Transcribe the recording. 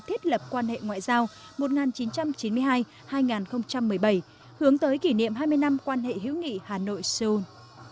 thiết lập quan hệ ngoại giao một nghìn chín trăm chín mươi hai hai nghìn một mươi bảy hướng tới kỷ niệm hai mươi năm quan hệ hữu nghị hà nội seoul